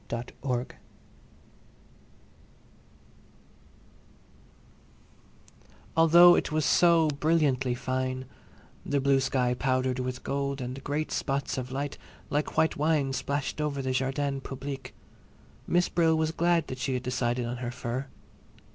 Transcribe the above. Miss Brill Although it was so brilliantly fine—the blue sky powdered with gold and great spots of light like white wine splashed over the Jardins Publiques—Miss Brill was glad that she had decided on her fur.